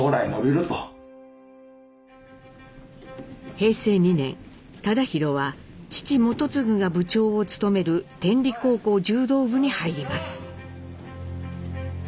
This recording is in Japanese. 平成２年忠宏は父基次が部長を務める天理高校柔道部に入ります。